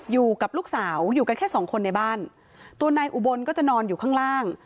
อยู่กับลูกสาวอยู่กันแค่สองคนในบ้านตัวนายอุบลก็จะนอนอยู่ข้างล่าง